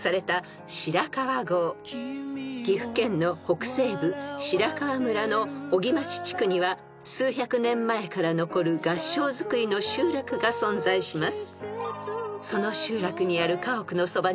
［岐阜県の北西部白川村の荻町地区には数百年前から残る合掌造りの集落が存在します］